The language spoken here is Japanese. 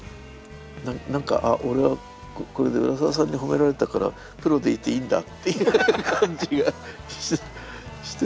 なんかあ俺はこれで浦沢さんに褒められたからプロでいていいんだっていう感じがして。